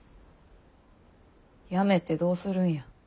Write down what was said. やめてどうするんや？